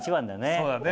そうだね。